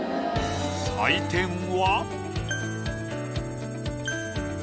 採点は。